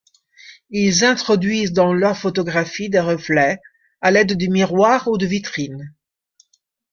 Ils introduisent dans leurs photographies des reflets, à l'aide de miroirs ou de vitrines.